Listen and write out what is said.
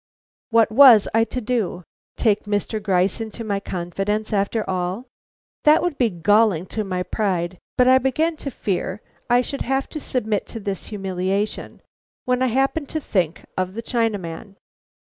What was I to do? Take Mr. Gryce into my confidence after all? That would be galling to my pride, but I began to fear I should have to submit to this humiliation when I happened to think of the Chinaman.